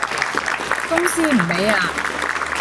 公司唔畀呀